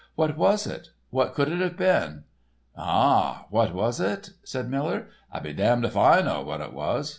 "What was it? What could it have been?" "Ah, what was it?" said Miller. "I'll be damned if I know what it was.